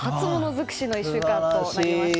づくしの１週間となりました。